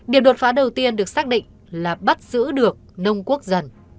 điều đột phá đầu tiên được xác định là bắt giữ được đông quốc dân